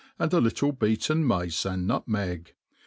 and a little beaten mace and nutmeg.